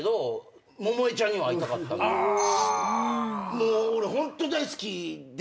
もう俺ホントに大好きで。